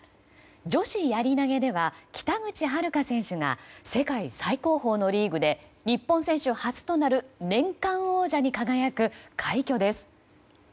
女子やり投げでは北口榛花選手が世界最高峰のリーグで日本選手初となる年間王者に輝く快挙です。